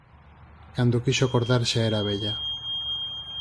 Cando quixo acordar xa era vella